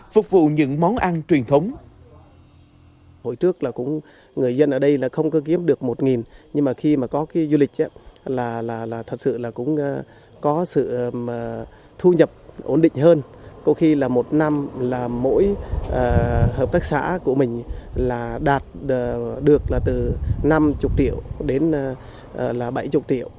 phục vụ những món ăn truyền thống